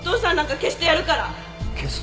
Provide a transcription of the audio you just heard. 消す？